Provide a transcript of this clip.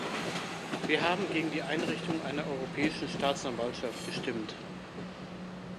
Wir haben gegen die Einrichtung einer europäischen Staatsanwaltschaft gestimmt.